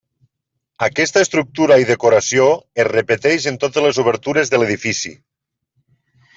Aquesta estructura i decoració es repeteix en totes les obertures de l'edifici.